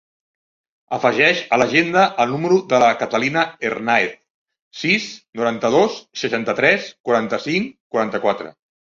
Afegeix a l'agenda el número de la Catalina Hernaez: sis, noranta-dos, seixanta-tres, quaranta-cinc, quaranta-quatre.